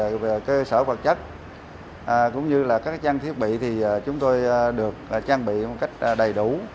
thực hiện ở đây thì cơ sở vật chất cũng như là các trang thiết bị thì chúng tôi được trang bị một cách đầy đủ